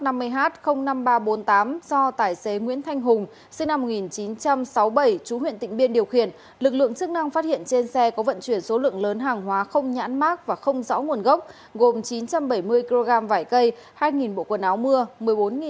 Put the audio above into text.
tại khu xã tân hưng huyện tịnh biên tỉnh an giang lực lượng chức năng phát hiện một lượng lớn hàng hóa không rõ nguồn gốc trị giá gần bốn trăm linh triệu đồng